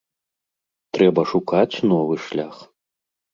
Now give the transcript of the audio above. Трэба шукаць новы шлях.